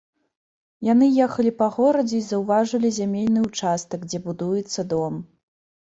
Яны ехалі па горадзе і заўважылі зямельны ўчастак, дзе будуецца дом.